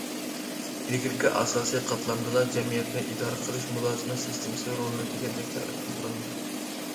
ئىلگىرىكى ئاساسىي قاتلامدىلا جەمئىيەتنى ئىدارە قىلىش مۇلازىمەت سىستېمىسى رولىنى دېگەندەك جارى قىلدۇرالمىدى.